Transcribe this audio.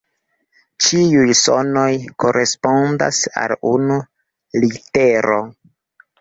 Ĉiuj sonoj korespondas al unu litero.